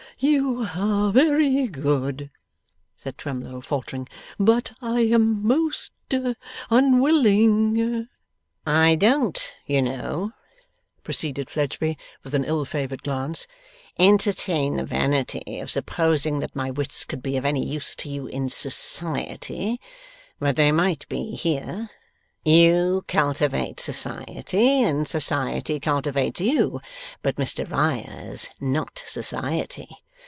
'You are very good,' said Twemlow, faltering. 'But I am most unwilling ' 'I don't, you know,' proceeded Fledgeby with an ill favoured glance, 'entertain the vanity of supposing that my wits could be of any use to you in society, but they might be here. You cultivate society and society cultivates you, but Mr Riah's not society.